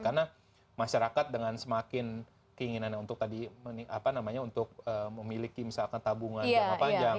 karena masyarakat dengan semakin keinginan untuk tadi apa namanya untuk memiliki misalkan tabungan yang panjang